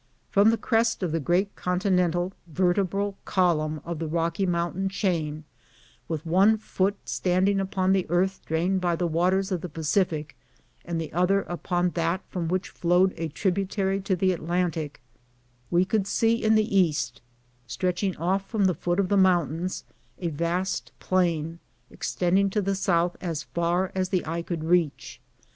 From the crest of the great continental vertebral column of the Rocky Mountain chain, with one foot standing upon the earth drained by the waters of the Pacific, and the oth er upon that from which flowed a tributary to the Atlantic, we could see in the east, stretching off from the foot of the mountains, a vast plain, extending to the south as far as the eye could reach.